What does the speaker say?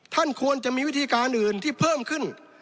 ท่านควรจะมีวิธีการอื่นที่เพิ่มขึ้น